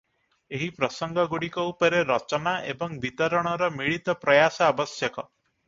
ଏହି ପ୍ରସଙ୍ଗଗୁଡ଼ିକ ଉପରେ ରଚନା ଏବଂ ବିତରଣର ମିଳିତ ପ୍ରୟାସ ଆବଶ୍ୟକ ।